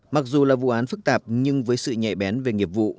mặc dù là vụ án phức tạp nhưng với sự nhạy bén về nghiệp vụ